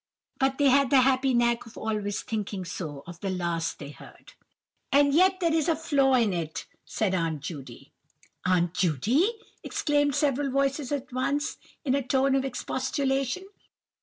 But they had the happy knack of always thinking so of the last they heard. "And yet there is a flaw in it," said Aunt Judy. "Aunt Judy!" exclaimed several voices at once, in a tone of expostulation.